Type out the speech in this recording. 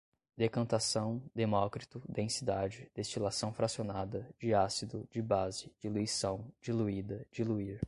decantação, demócrito, densidade, destilação fracionada, diácido, dibase, diluição, diluída, diluir